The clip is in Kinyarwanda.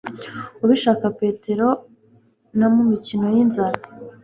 Ubishaka Petero na mumikino Yinzara